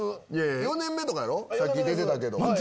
４年目とかやろさっき出てたけど。